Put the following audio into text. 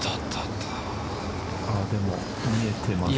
でも、見えてますね。